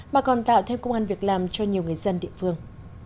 mà còn tạo thêm công an việc làm cho nhiều người dân địa phương